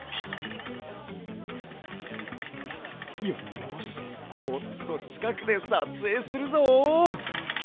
よしもっとちかくでさつえいするぞ！